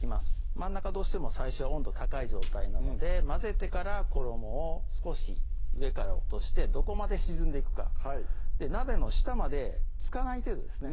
真ん中どうしても最初は温度高い状態なので混ぜてから衣を少し上から落としてどこまで沈んでいくかはい鍋の下まで付かない程度ですね